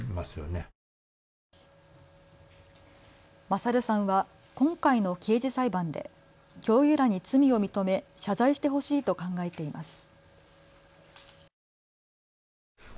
勝さんは今回の刑事裁判で教諭らに罪を認め謝罪してほしいと考えています。